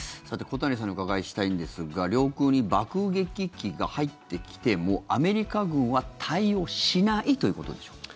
小谷さんにお伺いしたいんですが領空に爆撃機が入ってきてもアメリカ軍は対応しないということでしょうか。